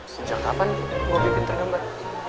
sejak kapan gue bikin tergambar